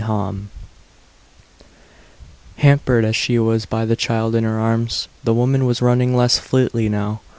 Hamm Hampered as she was by the child in her arms, the woman was running less fleetly now.